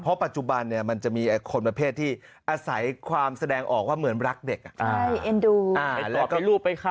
เพราะปัจจุบันเนี่ยมันจะมีคนประเภทที่อาศัยความแสดงออกว่าเหมือนรักเด็ก